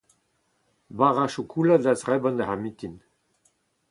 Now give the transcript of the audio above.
Bara-chokolad a zebran diouzh ar mintin.